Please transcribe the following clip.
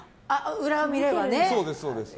裏を見れるね。